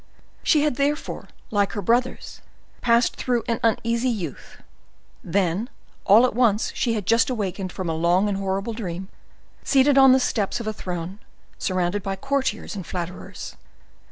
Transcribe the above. She had, therefore, like her brothers, passed through an uneasy youth; then, all at once, she had just awakened from a long and horrible dream, seated on the steps of a throne, surrounded by courtiers and flatterers.